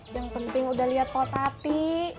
yang penting udah liat mbak tati